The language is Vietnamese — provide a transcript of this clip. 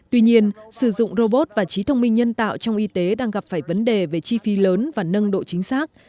tuy nhiên sử dụng robot và trí thông minh nhân tạo trong y tế đang gặp phải vấn đề về chi phí lớn và nâng độ chính xác